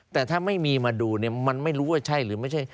แต่ถ้าไม่มีมาดูเนี่ยมันไม่รู้ว่าใช่หรือไม่ใช่